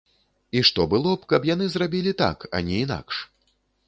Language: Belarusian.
І што было б, каб яны зрабілі так, а не інакш?